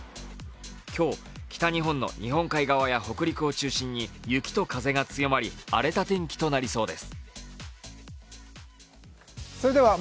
今日、北日本の日本海側や北陸を中心に雪と風が強まり、荒れた天気となりそうです。